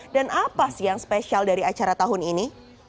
dan apa sih yang spesial dari acara tahun ini